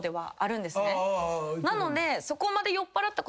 なので。